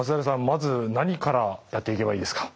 まず何からやっていけばいいですか？